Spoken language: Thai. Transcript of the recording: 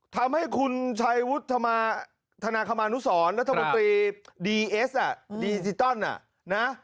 ทำให้คุณชัยวุฒิธมาธนาคมานุสรและธนปรีดีเอสอ่ะดีจิตตอนน่ะนะ